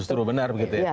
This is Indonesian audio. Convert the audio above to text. justru benar begitu ya